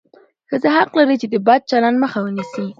ښځه حق لري چې د بد چلند مخه ونیسي.